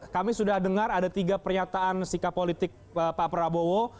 kami sudah dengar ada tiga pernyataan sikap politik pak prabowo